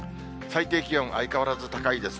最低気温、相変わらず高いです。